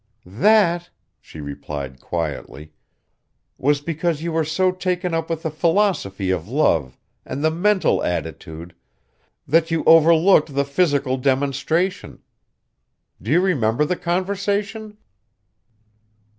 "That," she replied quietly, "was because you were so taken up with the philosophy of love, and the mental attitude, that you overlooked the physical demonstration. Do you remember the conversation?"